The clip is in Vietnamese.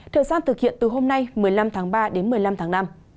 thời gian thực hiện từ hôm nay một mươi năm tháng ba đến một mươi năm tháng năm